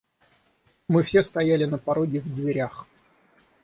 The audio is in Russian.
Мы все стояли на пороге в дверях.